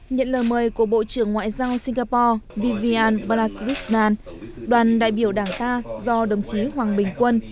nhận lời mời của bộ trưởng ngoại giao singapore vivian balakrishnan đoàn đại biểu đảng ta do đồng chí hoàng bình quân